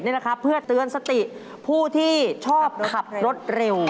นี่แหละครับเพื่อเตือนสติผู้ที่ชอบขับรถเร็ว